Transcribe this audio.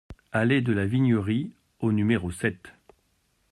Allée de la Vignerie au numéro sept